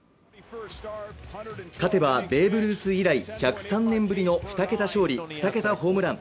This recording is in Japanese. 勝てばベーブ・ルース以来１０３年ぶりの２桁勝利、２桁ホームラン。